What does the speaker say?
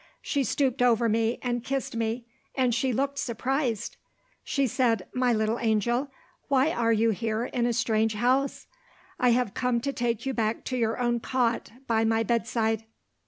She stooped over me, and kissed me; and she looked surprised. She said, 'My little angel, why are you here in a strange house? I have come to take you back to your own cot, by my bedside.